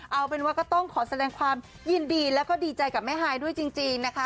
เอาเป็นว่าก็ต้องขอแสดงความยินดีแล้วก็ดีใจกับแม่ฮายด้วยจริงนะคะ